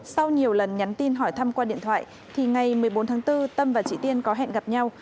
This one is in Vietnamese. sau nhiều lần nhắn tin hỏi thăm qua điện thoại thì ngày một mươi bốn tháng bốn tâm và chị tiên có hẹn gặp nhau